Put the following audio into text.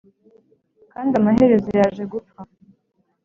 kandi amaherezo yaje gupfa